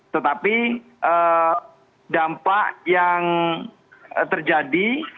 tetapi dampak yang terjadi